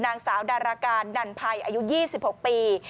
นางสาวดาราการดันภัยอายุ๒๖ปี